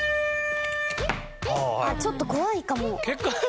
ちょっと怖いかも。